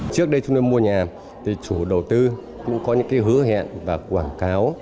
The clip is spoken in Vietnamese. trước đây trung tâm mua nhà thì chủ đầu tư cũng có những hứa hẹn và quảng cáo